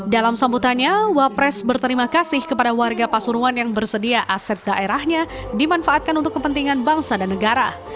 dalam sambutannya wapres berterima kasih kepada warga pasuruan yang bersedia aset daerahnya dimanfaatkan untuk kepentingan bangsa dan negara